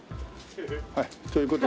はい。